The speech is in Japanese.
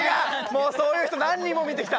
もうそういう人何人も見てきた。